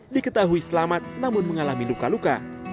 diketahui selamat namun mengalami luka luka